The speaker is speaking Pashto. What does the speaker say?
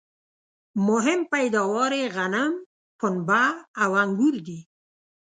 مهم پیداوار یې غنم ، پنبه او انګور دي